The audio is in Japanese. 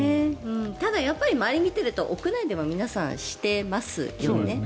ただ、周りを見ていると屋内では皆さんしていますよね。